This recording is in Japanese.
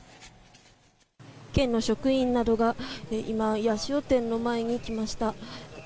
県の職員などが今八潮店の前に来ました。